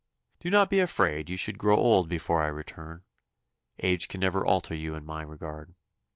"Do not be afraid you should grow old before I return; age can never alter you in my regard.